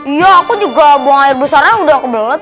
iya aku juga buang air besar yang udah kebelet